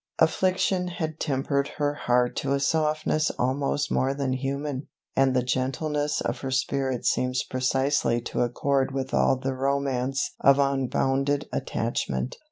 Affliction had tempered her heart to a softness almost more than human; and the gentleness of her spirit seems precisely to accord with all the romance of unbounded attachment.